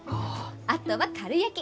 あとは、かる焼き。